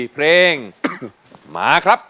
เพลงมาครับ